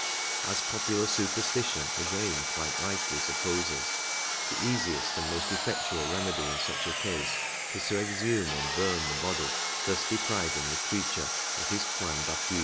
As popular " superstition " again quite rightly supposes, the easiest and most effectual remedy in such a case is to exhume and bum the body, thus depriving the creature of his point d'appui.